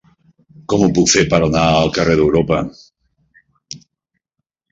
Com ho puc fer per anar al carrer d'Europa?